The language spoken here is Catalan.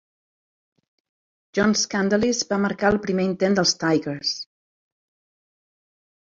John Skandalis va marcar el primer intent dels Tigers.